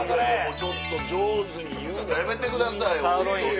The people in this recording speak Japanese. ちょっと上手に言うのやめてくださいホントに。